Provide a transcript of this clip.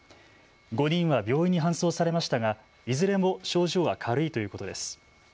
５人は病院に搬送されましたがいずれも症状は軽いということです。